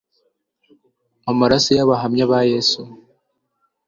amaraso y abahamya ba yesu